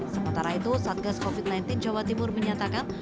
sementara itu satgas covid sembilan belas jawa timur menyatakan